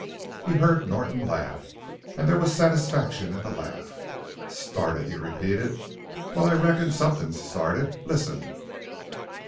He heard Norton laugh, and there was satisfaction in the laugh. "Started?" he repeated. "Well, I reckon something's started. Listen!"